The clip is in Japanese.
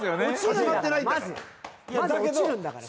始まってないんだから。